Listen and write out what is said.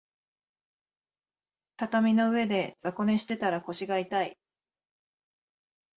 畳の上で雑魚寝してたら腰が痛い